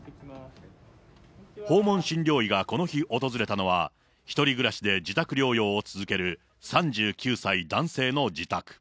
訪問診療医がこの日、訪れたのは、１人暮らしで自宅療養を続ける３９歳男性の自宅。